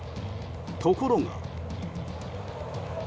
ところが。